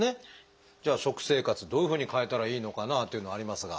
じゃあ食生活どういうふうに変えたらいいのかなというのはありますが。